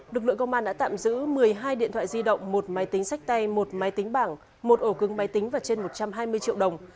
lực lượng công an đã tạm giữ một mươi hai điện thoại di động một máy tính sách tay một máy tính bảng một ổ cưng máy tính và trên một trăm hai mươi triệu đồng